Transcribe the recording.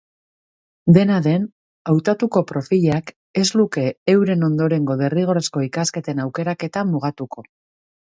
Dena den, hautatuko profilak ez luke euren ondorengo derrigorrezko ikasketen aukeraketa mugatuko.